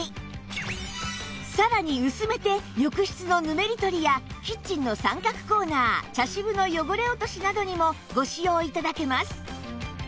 さらに薄めて浴室のぬめり取りやキッチンの三角コーナー茶渋の汚れ落としなどにもご使用頂けます